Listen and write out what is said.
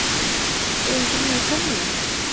এই তুমি এখানে?